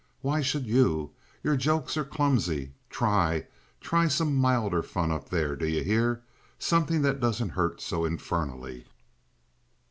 Why should you? Your jokes are clumsy. Try—try some milder fun up there; do you hear? Something that doesn't hurt so infernally."